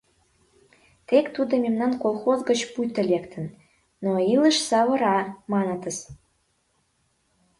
Тек тудо мемнан колхоз гыч пуйто лектын, но илыш савыра, манытыс.